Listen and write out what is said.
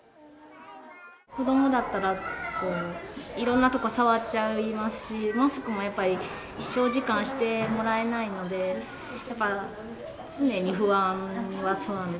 子どもだったら、いろんなとこ触っちゃいますし、マスクもやっぱり長時間してもらえないので、やっぱ常に不安です。